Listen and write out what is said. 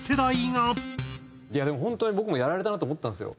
いやでも本当に僕もやられたなって思ったんですよ。